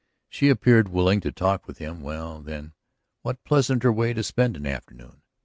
She appeared willing to talk with him; well, then, what pleasanter way to spend an afternoon?